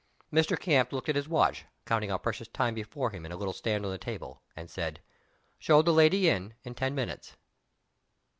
Mr. Camp looked at his watch, counting out precious time before him, in a little stand on the table, and said, "Show the lady in, in ten minutes."